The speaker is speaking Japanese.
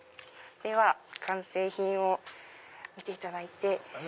では完成品を見ていただいて。